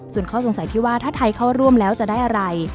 ส่วนข้อสงสัยที่ว่าถ้าไทยเข้าร่วมแล้วจะได้อะไร